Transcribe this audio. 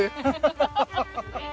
ハハハハハ。